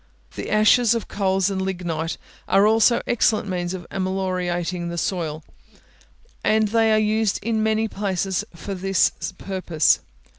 The ashes of coals and lignite are also excellent means of ameliorating the soil, and they are used in many places for this purpose.